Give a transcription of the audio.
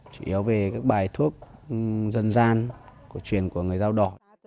chỉ yếu về các bài thuốc dân gian cổ truyền của người giao đỏ